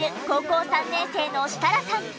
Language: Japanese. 高校３年生の設楽さん。